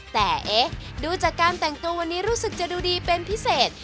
แต่เอ๊ะดูจากการแต่งตัววันนี้รู้สึกจะดูดีเป็นพิเศษ